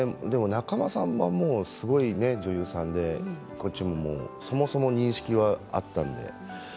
仲間さんはすごい女優さんでこっちもそもそも認識はあったんで。